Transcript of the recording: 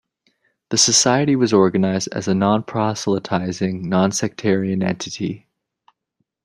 The Society was organized as a non-proselytizing, non-sectarian entity.